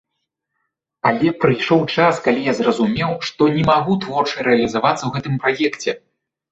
Але прыйшоў час, калі я зразумеў, што не магу творча рэалізавацца ў гэтым праекце.